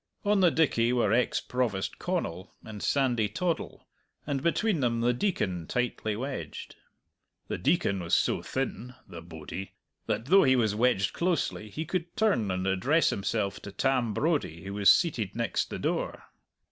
On the dickey were ex Provost Connal and Sandy Toddle, and between them the Deacon, tightly wedged. The Deacon was so thin (the bodie) that, though he was wedged closely, he could turn and address himself to Tam Brodie, who was seated next the door.